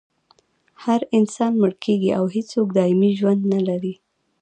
هر انسان مړ کیږي او هېڅوک دایمي ژوند نلري